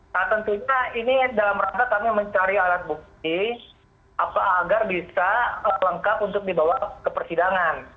nah tentunya ini dalam rangka kami mencari alat bukti agar bisa lengkap untuk dibawa ke persidangan